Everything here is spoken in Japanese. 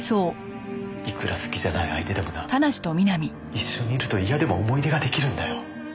いくら好きじゃない相手でもな一緒にいると嫌でも思い出が出来るんだよ。